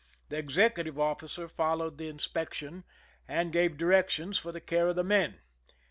The ex ecutive officer followed the inspection, and gave directions for the care of the men.